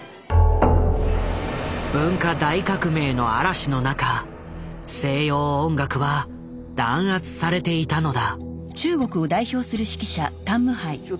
文化大革命の嵐の中西洋音楽は弾圧されていたのだ。